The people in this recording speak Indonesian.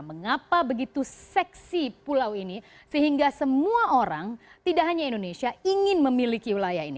mengapa begitu seksi pulau ini sehingga semua orang tidak hanya indonesia ingin memiliki wilayah ini